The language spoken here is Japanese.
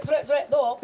どう？